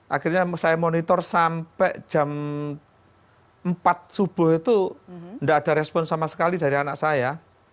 akhirnya saya monitor sampai jam empat subuh itu tidak ada respon sama sekali dari anak saya